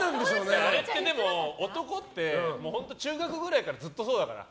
あれって、男って本当、中学くらいからずっとそうだから。